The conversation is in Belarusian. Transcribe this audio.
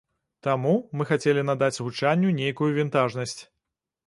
Таму мы хацелі надаць гучанню нейкую вінтажнасць.